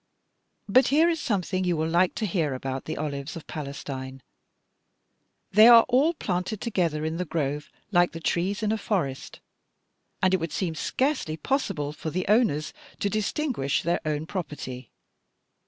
But here is something you will like to hear about the olives of Palestine: 'They are all planted together in the grove like the trees in a forest, and it would seem scarcely possible for the owners to distinguish their own property.